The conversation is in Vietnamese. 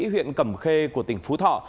huyện cẩm khê của tỉnh phú thọ